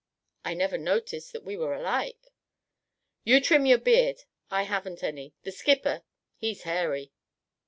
"I never noticed that we were alike." "You trim your beard, I haven't any; the skipper, he's hairy."